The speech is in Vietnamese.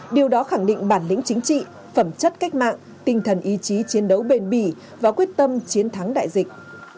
điều đó khẳng định bản lĩnh chính trị phẩm chất cách mạng tinh thần ý chí chiến đấu bền bỉ và quyết tâm chiến thắng đại dịch